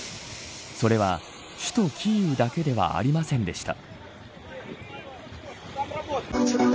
それは、首都キーウだけではありませんでした。